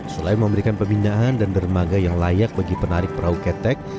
selain memberikan pembinaan dan dermaga yang layak bagi penarik perahu ketek